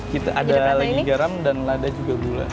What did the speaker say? kita ada lagi garam dan lada juga gula